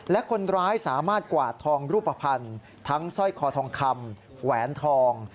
และคนร้ายสามารถกวาดทองรูปภัณฑ์ทั้งสร้อยคอทองคำแหวนทอง